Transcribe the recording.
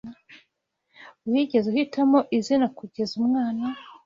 Wigeze uhitamo izina kugeza umwana?